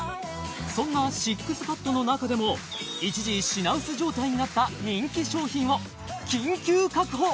そんなＳＩＸＰＡＤの中でも一時品薄状態になった人気商品を緊急確保！